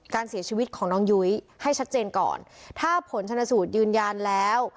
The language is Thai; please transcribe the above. การเสียชีวิตของน้องยุ้ยให้ชัดเจนก่อนถ้าผลชนสูตรยืนยันแล้ว